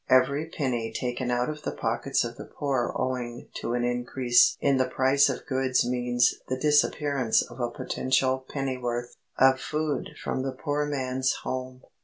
Every penny taken out of the pockets of the poor owing to an increase in the price of goods means the disappearance of a potential pennyworth of food from the poor man's home.